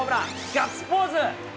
ガッツポーズ。